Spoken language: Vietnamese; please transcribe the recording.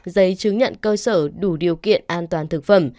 giấy chứng nhận cơ sở đủ điều kiện an toàn thực phẩm